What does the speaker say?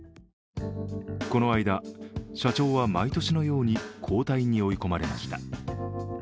この間、社長は毎年のように交代に追い込まれました。